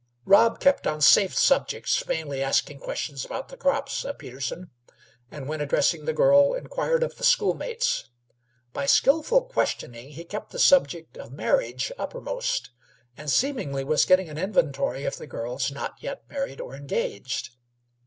Rob kept on safe subjects, mainly asking questions about the crops of Peterson, and when addressing the girl, inquired of the schoolmates. By skilful questioning, he kept the subject of marriage uppermost, and seemingly was getting an inventory of the girls not yet married or engaged.